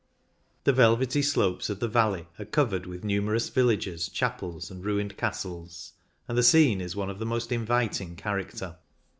The velvety slopes of the valley are covered with numerous villages, chapels, and ruined castles, and the scene is of the most inviting character.